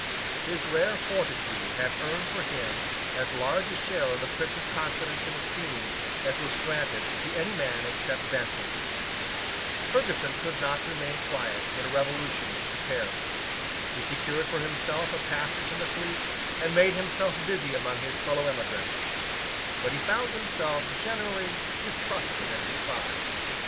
His rare fortitude had earned for him as large a share of the Prince's confidence and esteem as was granted to any man except Bentinck. Ferguson could not remain quiet when a revolution was preparing. He secured for himself a passage in the fleet, and made himself busy among his fellow emigrants: but he found himself generally distrusted and despised.